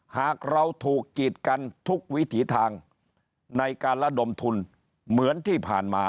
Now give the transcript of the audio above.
หากเราถูกกีดกันทุกวิถีทางในการระดมทุนเหมือนที่ผ่านมา